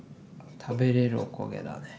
食べれるお焦げだね。